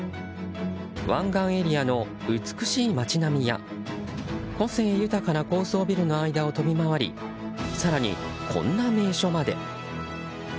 湾岸エリアの美しい街並みや個性豊かな高層ビルの間を飛び回り更に、こんな名所まで。